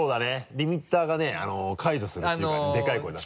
リミッターがね解除するっていうかねでかい声出すと。